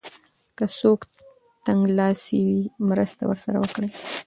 که څوک تنګلاسی وي مرسته ورسره وکړئ.